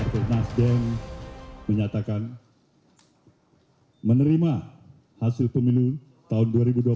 partai nasdem menyatakan menerima hasil pemilu tahun dua ribu dua puluh empat